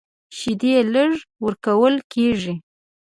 شیدې لږ ورکول کېږي.